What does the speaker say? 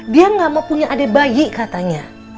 dia gak mau punya adik bayi katanya